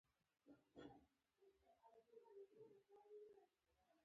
خور د هنرونو خاوندې ده.